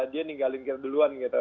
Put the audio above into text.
dia ninggalin duluan gitu